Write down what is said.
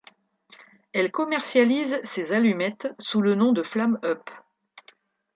Elle commercialise ses allumettes sous le nom de Flam'up.